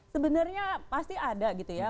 sebenarnya pasti ada gitu ya